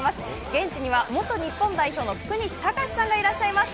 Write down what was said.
現地には、元日本代表の福西崇史さんがいらっしゃいます。